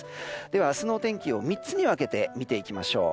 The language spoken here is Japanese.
では明日のお天気を３つに分けて見ていきましょう。